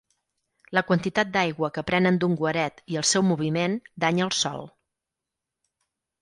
La quantitat d'aigua que prenen d'un guaret i el seu moviment danya el sòl.